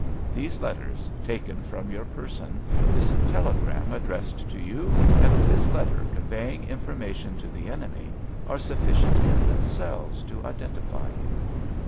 "These letters, taken from your person, this telegram addressed to you, and this letter conveying information to the enemy, are sufficient in themselves to identify you."